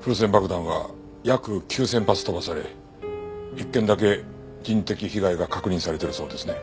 風船爆弾は約９０００発飛ばされ１件だけ人的被害が確認されているそうですね。